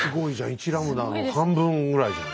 １λの半分ぐらいじゃん。